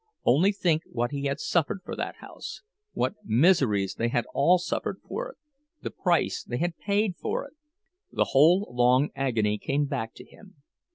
Only think what he had suffered for that house—what miseries they had all suffered for it—the price they had paid for it! The whole long agony came back to him.